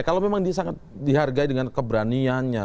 kalau memang dia sangat dihargai dengan keberaniannya